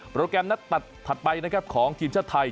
แกรมนัดตัดถัดไปนะครับของทีมชาติไทย